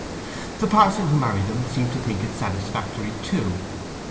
The parson who married them seemed to think it satisfactory too.